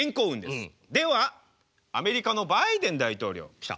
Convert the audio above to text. ではアメリカのバイデン大統領。来た。